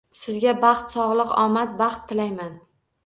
Sizga baxt sog'lik, omad, baxt tilayman!